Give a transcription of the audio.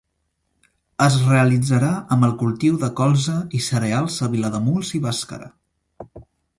Es realitzarà amb el cultiu de colza i cereals a Vilademuls i Bàscara.